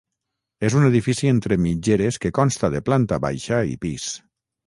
És un edifici entre mitgeres que consta de planta baixa i pis.